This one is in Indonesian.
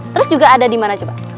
terus juga ada di mana coba